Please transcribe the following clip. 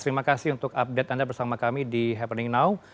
terima kasih untuk update anda bersama kami di happening now